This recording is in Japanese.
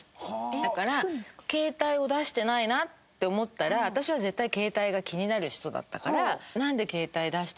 だから携帯を出してないなって思ったら私は絶対携帯が気になる人だったから。